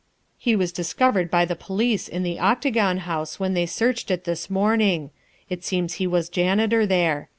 " He was discovered by the police in the Octagon House when they searched it this morning. It seems he was janitor there.